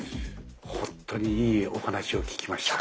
本当にいいお話を聞きました。